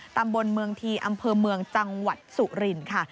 ตำบลเมืองทีอำเภอเมืองจังหวัดสุรินค่ะ